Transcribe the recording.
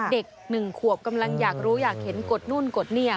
เด็ก๑ขวบกำลังอยากรู้อยากเห็นกดนู่นกดนี่